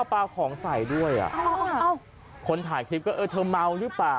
ปลาของใส่ด้วยอ่ะคนถ่ายคลิปก็เออเธอเมาหรือเปล่า